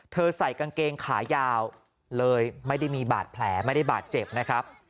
ใส่กางเกงขายาวเลยไม่ได้มีบาดแผลไม่ได้บาดเจ็บนะครับ